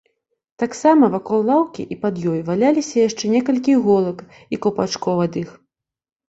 Таксама вакол лаўкі і пад ёй валяліся яшчэ некалькі іголак і каўпачкоў ад іх.